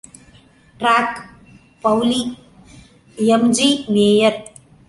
Track, பவுலி, எம்.ஜி.மேயர்.